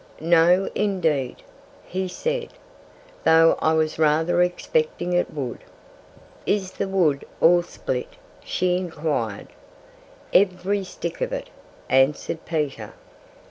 "No, indeed!" he said "though I was rather expecting it would." "Is the wood all split?" she inquired. "Every stick of it!" answered Peter.